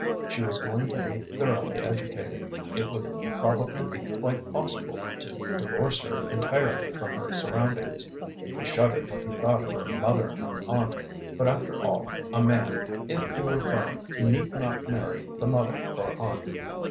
She was going to be thoroughly educated. It would probably be quite possible to divorce her entirely from her surroundings. He shuddered when he thought of her mother and aunt, but, after all, a man, if he were firm, need not marry the mother or aunt.